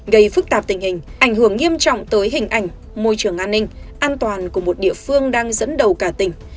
gây phức tạp tình hình ảnh hưởng nghiêm trọng tới hình ảnh môi trường an ninh an toàn của một địa phương đang dẫn đầu cả tỉnh